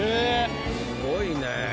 すごいね。